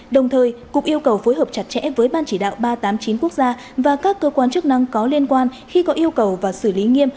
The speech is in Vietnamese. đồng thời cục yêu cầu phối hợp chặt chẽ với ban chỉ đạo ba trăm tám mươi chín quốc gia và các cơ quan chức năng có liên quan khi có yêu cầu và xử lý nghiêm